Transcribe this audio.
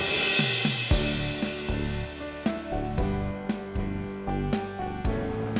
tapi kalian itu saudara